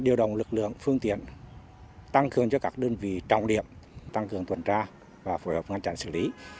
điều động lực lượng phương tiện tăng cường cho các đơn vị trọng điểm tăng cường tuần tra và phối hợp ngăn chặn xử lý